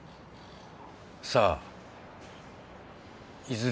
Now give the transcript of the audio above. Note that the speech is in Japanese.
さあいずれ